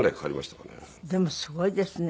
でもすごいですね。